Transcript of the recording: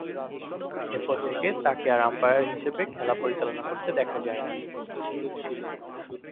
এরপর থেকে তাকে আর আম্পায়ার হিসেবে খেলা পরিচালনা করতে দেখা যায়নি।